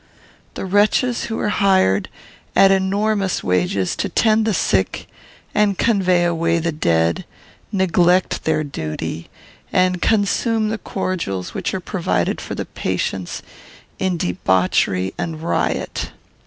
The wretches who are hired, at enormous wages, to tend the sick and convey away the dead, neglect their duty, and consume the cordials which are provided for the patients, in debauchery and riot.